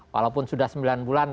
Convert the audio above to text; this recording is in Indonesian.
walaupun sudah sembilan bulan